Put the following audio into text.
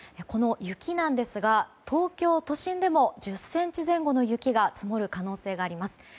この雪なんですが東京都心でも１０ｃｍ前後の雪が積もる可能性があります。